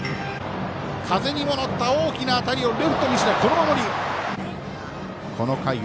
風に戻った大きな当たりをレフト、西田、この守り。